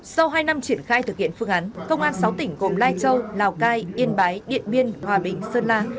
sau hai năm triển khai thực hiện phương án công an sáu tỉnh gồm lai châu lào cai yên bái điện biên hòa bình sơn la